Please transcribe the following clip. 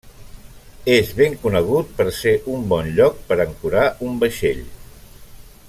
És ben conegut per ser un bon lloc per ancorar un vaixell.